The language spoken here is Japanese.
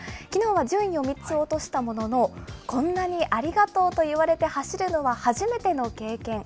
きのうは順位を３つ落としたものの、こんなにありがとうと言われて走るのは初めての経験。